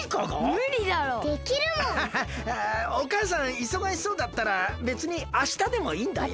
いそがしそうだったらべつにあしたでもいいんだよ。